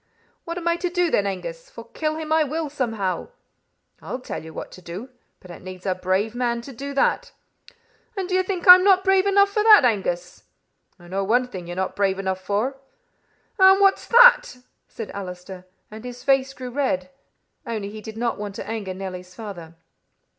'What am I to do then, Angus, for kill him I will somehow?' 'I'll tell you what to do; but it needs a brave man to do that.' 'And do you think I'm not brave enough for that, Angus?' 'I know one thing you are not brave enough for.' 'And what's that?' said Allister, and his face grew red, only he did not want to anger Nelly's father.